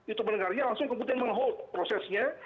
itu mendengarnya langsung kemudian menghold prosesnya